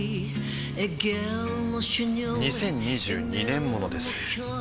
２０２２年モノです